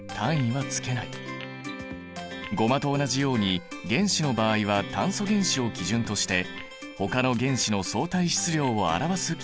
ゴマと同じように原子の場合は炭素原子を基準としてほかの原子の相対質量を表す決まりだ。